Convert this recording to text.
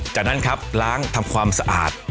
จากนั้นครับล้างทำความสะอาด